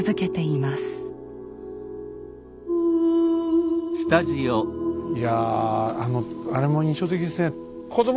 いやあのあれも印象的ですね。